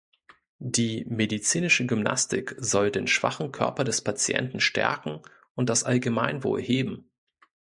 Die "Medizinische Gymnastik" soll den schwachen Körper des Patienten stärken und das Allgemeinwohl heben.